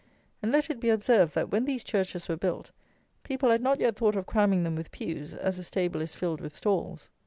And let it be observed that, when these churches were built, people had not yet thought of cramming them with pews, as a stable is filled with stalls.